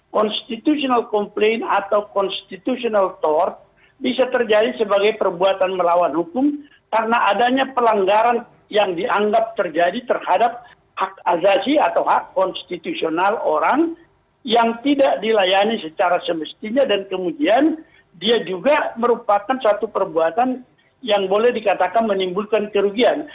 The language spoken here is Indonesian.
constitutional complaint atau constitutional tort bisa terjadi sebagai perbuatan melawan hukum karena adanya pelanggaran yang dianggap terjadi terhadap hak azasi atau hak konstitusional orang yang tidak dilayani secara semestinya dan kemudian dia juga merupakan satu perbuatan yang boleh dikatakan menimbulkan kerugian